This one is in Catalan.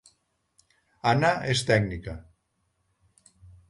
Anna és tècnica